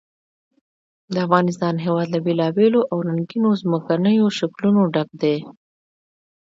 د افغانستان هېواد له بېلابېلو او رنګینو ځمکنیو شکلونو ډک دی.